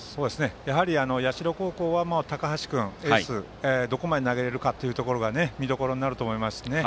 やはり社高校はエースの高橋君がどこまで投げられるかが見どころになると思います。